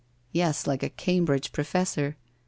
'Yes, like a Cambridge professor.